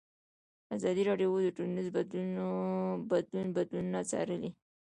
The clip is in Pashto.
ازادي راډیو د ټولنیز بدلون بدلونونه څارلي.